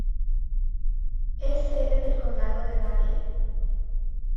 Es sede del condado de Davie.